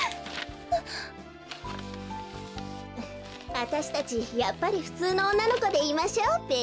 あたしたちやっぱりふつうのおんなのこでいましょうべ。